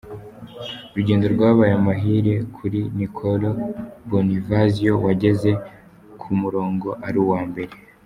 rugendo rwabaye amahire kuri Niccolo Bonifazio wageze ku murongo ari uwa mbere